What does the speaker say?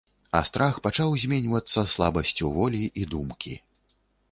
А страх пачаў зменьвацца слабасцю волі і думкі.